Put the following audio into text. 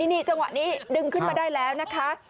นี่จังหวะนี้ดึงขึ้นมาได้แล้วนะคะ